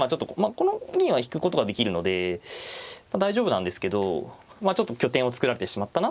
この銀は引くことができるので大丈夫なんですけどちょっと拠点を作られてしまったなっていう。